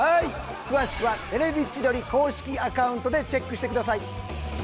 詳しくは『テレビ千鳥』公式アカウントでチェックしてください。